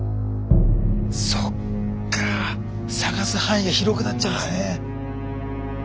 そっか捜す範囲が広くなっちゃうんですね。